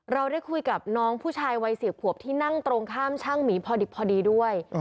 เราได้คุยกับน้องผู้ชายวัย๑๐ขวบที่นั่งตรงข้ามช่างหมีพอดิบพอดีด้วย